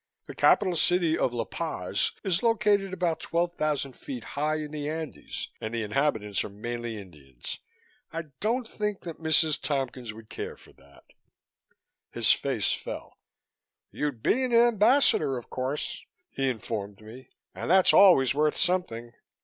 "The capital city of La Paz is located about twelve thousand feet high in the Andes and the inhabitants are mainly Indians. I don't think that Mrs. Tompkins would care for it." His face fell. "You'd be an Ambassador, of course," he informed me, "and that's always worth something.